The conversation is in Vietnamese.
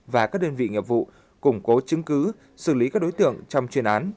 và các đơn vị nghiệp vụ củng cố chứng cứ xử lý các đối tượng trong chuyên án